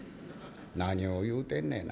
「何を言うてんねんな。